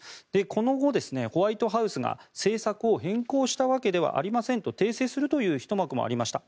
この後、ホワイトハウスが政策を変更したわけではありませんと訂正するというひと幕もありました。